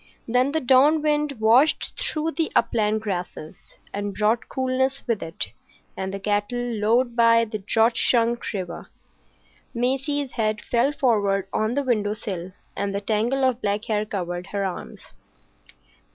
Then the dawn wind washed through the upland grasses, and brought coolness with it, and the cattle lowed by the drought shrunk river. Maisie's head fell forward on the window sill, and the tangle of black hair covered her arms.